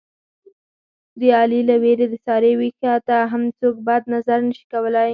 د علي له وېرې د سارې وېښته ته هم څوک بد نظر نشي کولی.